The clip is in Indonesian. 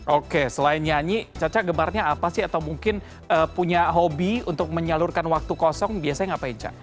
oke selain nyanyi caca gemarnya apa sih atau mungkin punya hobi untuk menyalurkan waktu kosong biasanya ngapain cak